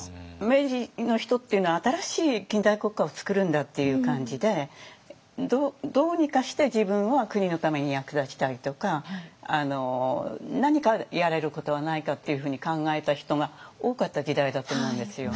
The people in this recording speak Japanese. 明治の人っていうのは新しい近代国家を作るんだっていう感じでどうにかして自分は国のために役立ちたいとか何かやれることはないかっていうふうに考えた人が多かった時代だと思うんですよ。